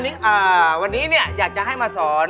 โดมใส่โดมนะอะไรนะโดมละต้อง